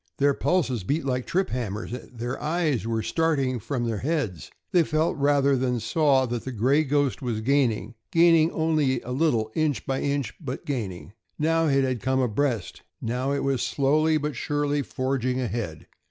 Their pulses beat like trip hammers; their eyes were starting from their heads. They felt rather than saw that the "Gray Ghost" was gaining gaining only a little, inch by inch, but gaining. Now it had come abreast; now it was slowly but surely forging ahead.